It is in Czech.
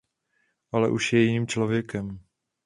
Ale už je jiným člověkem.